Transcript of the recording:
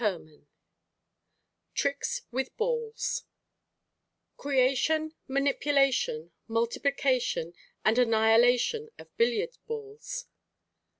CHAPTER V TRICKS WITH BALLS Creation, Manipulation, Multiplication, and Annihilation of Billiard Balls.